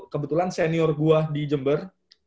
kebetulan senior gue di jember